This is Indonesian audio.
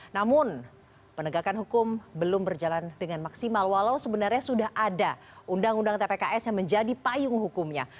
namun penegakan hukum belum berjalan dengan maksimal walau sebenarnya sudah ada undang undang tpks yang menjadi payung hukumnya